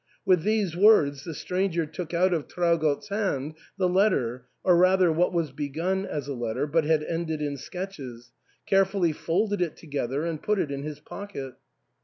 With these words the stranger took out of Traugott's hand the letter — or rather what was begun as a letter but had ended in sketches — carefully folded it together, and put it in his pocket.